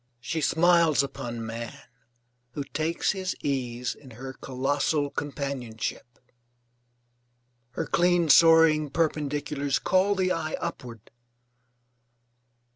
She smiles upon man who takes his ease in her colossal companionship. Her clean soaring perpendiculars call the eye upward.